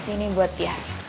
sini buat dia